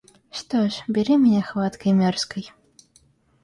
Что ж, бери меня хваткой мёрзкой!